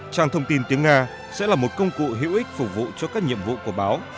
trang thông tin tiếng nga sẽ là một công cụ hữu ích phục vụ cho các nhiệm vụ của báo